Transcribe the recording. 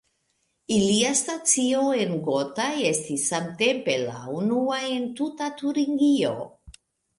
Ilia stacio en Gotha estis samtempe la unua en tuta Turingio.